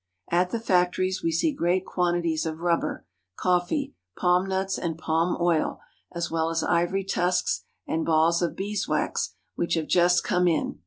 At the factories we see great quantities of rubber, coffee, palm nuts, and palm oil, as well as ivory tusks and balls of beeswax which have just come in.